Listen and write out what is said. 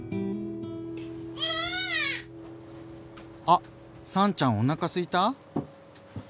あっ燦ちゃんおなかすいた？